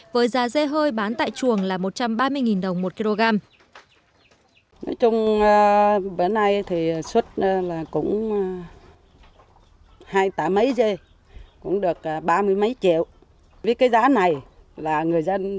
với giá dê hơi bán tại chuồng là một trăm ba mươi đồng một kg